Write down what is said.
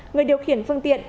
người điều khiển phương tiện